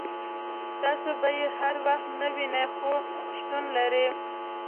تاسو به یې هر وخت نه وینئ خو شتون لري.